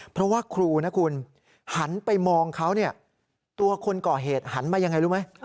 เพราะว่าครูหันไปมองเขาตัวคนก่อเหตุหันมาอย่างไรรู้ไหม